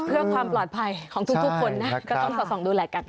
เพื่อความปลอดภัยของทุกคนนะก็ต้องสอดส่องดูแลกัน